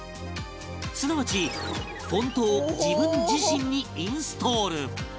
すなわちフォントを自分自身にインストール